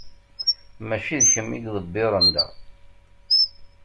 Mačči d kemm i iḍebbiren da.